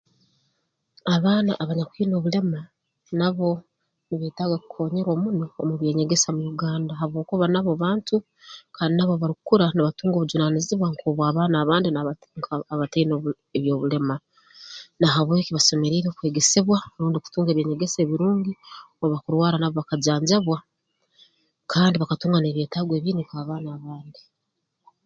Abaana abanyakwine obulema nabo nibeetaaga kukoonyeerwa muno omu by'enyegesa mu Uganda habwokuba nabo bantu kandi nabo obu barukukura nibatunga obujunaanizibwa nk'obw'abaana abandi nka abataine eby'obulema na habweki basemeriire kutunga kwegesebwa rundi kutunga eby'enyegesa ebirungi obu bakurwara nabo bakajanjabwa kandi bakatunga n'ebyetaago ebindi nk'abaana abandi